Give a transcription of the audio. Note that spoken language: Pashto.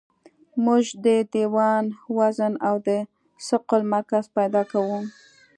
موږ د دیوال وزن او د ثقل مرکز پیدا کوو